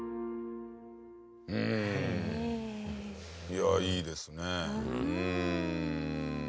いやいいですね。